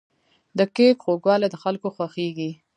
د کیک خوږوالی د خلکو خوښیږي.